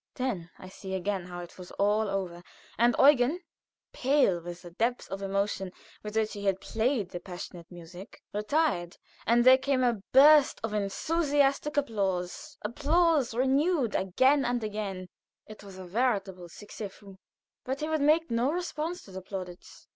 Then I see how it was all over, and Eugen, pale with the depth of emotion with which he had played the passionate music, retired, and there came a burst of enthusiastic applause applause renewed again and again it was a veritable succès fou. But he would make no response to the plaudits.